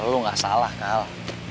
lo gak salah kal